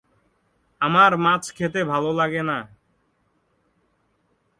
জাং দ-জিওন বিবেচিত করেন যে সরকার, এমনকি রাজা নিজে বিদ্যমান থাকবেন জনগণের জন্য, শুধু জনগণের সেবার জন্য।